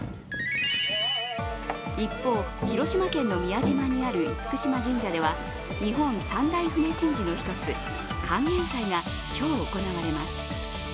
一方、広島県の宮島にある厳島神社では、日本三大船神事の一つ、管弦祭が今日、行われます。